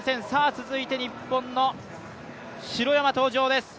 続いて日本の城山登場です。